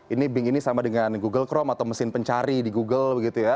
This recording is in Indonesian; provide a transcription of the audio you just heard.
ini bing ini sama dengan google chrome atau mesin pencari di google begitu ya